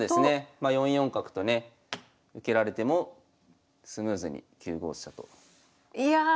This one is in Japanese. ま４四角とね受けられてもスムーズに９五飛車と。